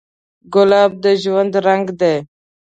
ګلاب د ژوند رنګ دی.